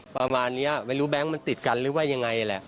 ประมาณนี้ไม่รู้แบงค์มันติดกันหรือว่ายังไงแหละ